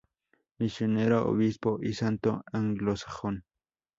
Misionero, obispo y santo anglosajón.